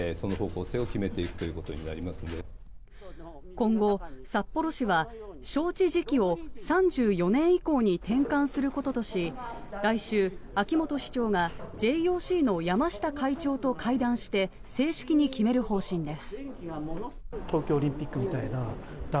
今後、札幌市は、招致時期を３４年以降に転換することとし来週、秋元市長がＪＯＣの山下会長と会談して正式に決める方針です。